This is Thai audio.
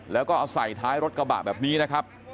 แล้วก็เอาใส่ท้ายรถกระบะแบบนี้นะครับ